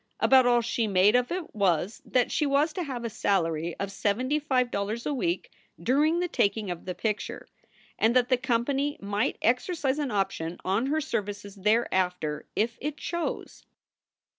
About all she made of it was that she was to have a salary of seventy five dollars a week during the taking of the picture, and that the company might exercise an option on her services thereafter if it chose.